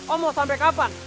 om mau sampai kapan